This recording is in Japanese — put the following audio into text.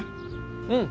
うん。